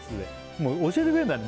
もう教えてくれるんだね